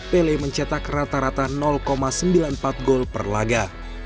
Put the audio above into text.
pele mencetak rata rata sembilan puluh empat gol per laga